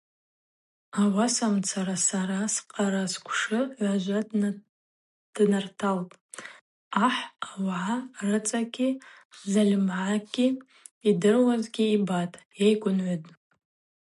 Ауасамцара сара с-Къара сквшы гӏважва днарталтӏ, ахӏ ауагӏа рыцхӏагӏати зальмыгӏати йдирауазгьи йбатӏ, йгӏайгвынгӏвытӏ.